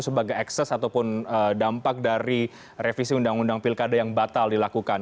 sebagai ekses ataupun dampak dari revisi undang undang pilkada yang batal dilakukan